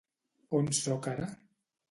On soc ara?